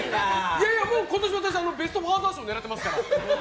いやいや、今年、私ベスト・ファーザー賞狙ってますから。